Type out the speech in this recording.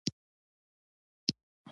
کور کارونه مې لږ پرېښودل.